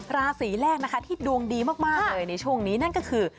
ราศีแรกนะคะที่ดวงดีมากเลยในช่วงนี้นั่นก็คือ